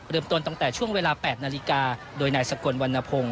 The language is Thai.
ต้นตั้งแต่ช่วงเวลา๘นาฬิกาโดยนายสกลวันนพงศ